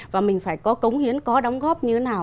và mình phải có cống hiến có đóng góp như thế nào